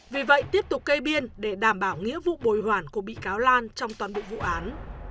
vì vậy tiếp tục kê biên để đảm bảo nghĩa vụ bồi hoàn của bị cáo lan trong toàn bộ vụ án